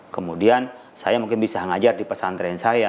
kemudian saya mungkin bisa ngajar di pesantren saya